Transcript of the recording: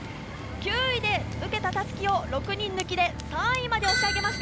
９位で受けた襷を６人抜きで３位まで押し上げました。